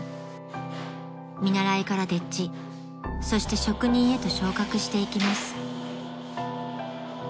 ［見習いから丁稚そして職人へと昇格していきます］